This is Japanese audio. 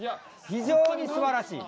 非常にすばらしい！